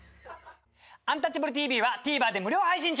「アンタッチャブるＴＶ」はＴＶｅｒで無料配信中！